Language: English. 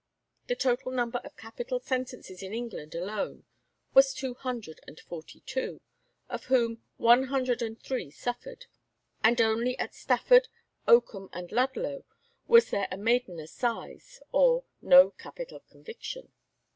The total number of capital sentences in England alone was two hundred and forty two, of whom one hundred and three suffered, and only at Stafford, Oakham, and Ludlow was there a "maiden assize," or no capital conviction.